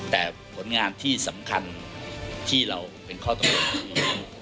แต่ผลงานที่สำคัญที่เราเป็นข้อตกลงนี้